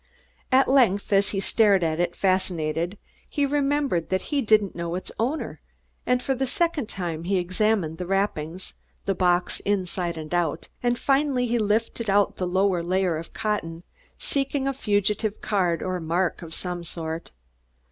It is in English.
At length, as he stared at it fascinated, he remembered that he didn't know its owner, and for the second time he examined the wrappings, the box inside and out, and finally he lifted out the lower layer of cotton, seeking a fugitive card or mark of some sort.